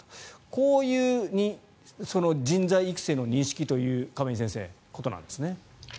こういう人材育成の認識ということなんですね。